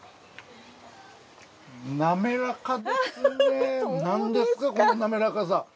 滑らかですねなんですかこの滑らかさ。